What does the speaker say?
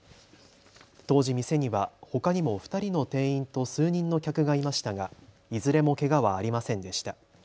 当時、店にはほかにも２人の店員と数人の客がいましたがいずれもけがはありませんでした。